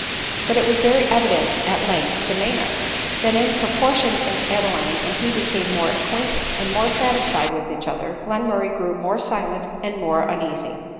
But it was very evident, at length, to Maynard, that in proportion as Adeline and he became more acquainted and more satisfied with each other, Glenmurray grew more silent and more uneasy.